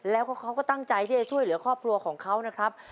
แล้วก็เขาก็ตั้งใจที่จะช่วยเหลือครอบครัวของเขานะครับ